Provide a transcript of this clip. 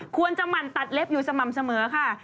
หมั่นตัดเล็บอยู่สม่ำเสมอค่ะ